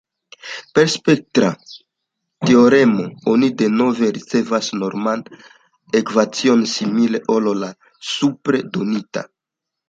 Per spektra teoremo oni denove ricevas norman ekvacion simile al la supre donita.